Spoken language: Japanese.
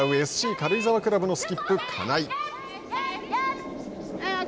軽井沢のスキップ金井。